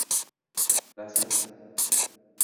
Rasm